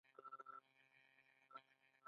د غسل فرضونه درې دي.